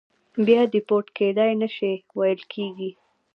بیا دیپورت کېدای نه شي ویل کېږي.